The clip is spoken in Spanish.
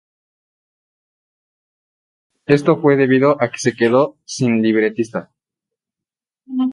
Posiblemente esto fue debido a que se quedó sin libretista.